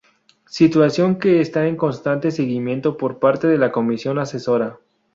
Situación que está en constante seguimiento por parte de la Comisión Asesora.